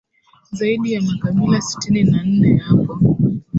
zaidi ya makabila sitini na nne yapo